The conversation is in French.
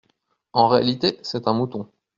En réalité, c'est un mouton.